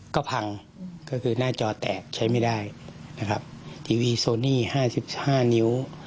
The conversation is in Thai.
ก็พังก็คือหน้าจอแตกใช้ไม่ได้นะครับทีวีโซนี่ห้าสิบห้านิ้ว